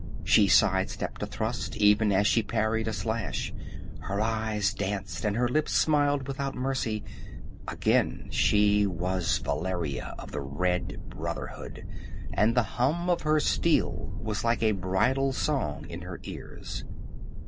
She side stepped a thrust, even as she parried a slash. Her eyes danced and her lips smiled without mercy. Again she was Valeria of the Red Brotherhood, and the hum of her steel was like a bridal song in her ears.